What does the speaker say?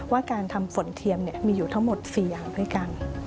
ว่าการทำฝนเทียมมีอยู่ทั้งหมด๔อย่างด้วยกัน